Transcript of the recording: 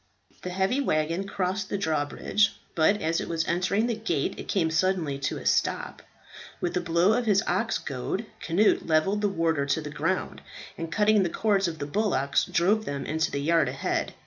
The heavy waggon crossed the drawbridge, but as it was entering the gate it came suddenly to a stop. With a blow of his ox goad Cnut levelled the warder to the ground, and cutting the cords of the bullocks, drove them into the yard ahead.